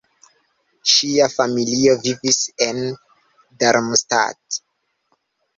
Ŝia familio vivis en Darmstadt.